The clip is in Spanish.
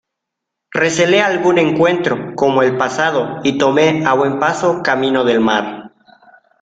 recelé algún encuentro como el pasado y tomé a buen paso camino del mar.